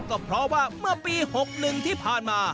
ก็เพราะว่าเมื่อปี๖๑ที่ผ่านมา